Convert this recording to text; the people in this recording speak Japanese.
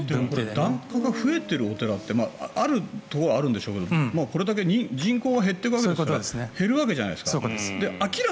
檀家が増えているお寺ってあるところはあるんでしょうけどこれだけ人口が減っているから明らかに減るわけじゃないですか。